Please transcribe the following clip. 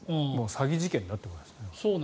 詐欺事件だということですね。